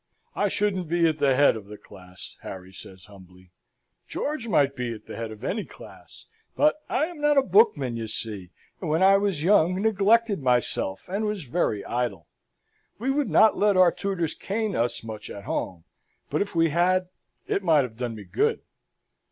"I shouldn't be at the head of the class," Harry says, humbly. "George might be at the head of any class, but I am not a bookman, you see; and when I was young neglected myself, and was very idle. We would not let our tutors cane us much at home, but, if we had, it might have done me good."